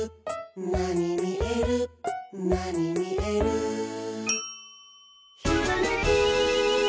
「なにみえるなにみえる」「ひらめき」